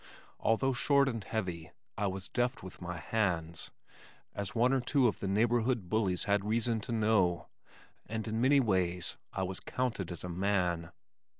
Although short and heavy, I was deft with my hands, as one or two of the neighborhood bullies had reason to know and in many ways I was counted a man.